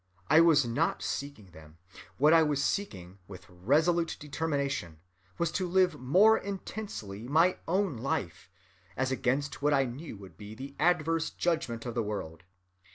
I was not seeking them. What I was seeking, with resolute determination, was to live more intensely my own life, as against what I knew would be the adverse judgment of the world.